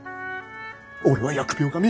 俺は疫病神。